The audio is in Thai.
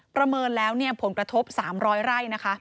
ประเมินแล้วผลกระทบ๓๐๐ไร่นะคะ